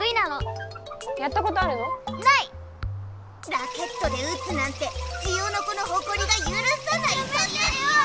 ラケットで打つなんてジオノコのほこりがゆるさないソヨヨん！